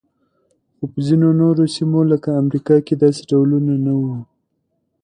خو په ځینو نورو سیمو لکه امریکا کې داسې ډولونه نه وو.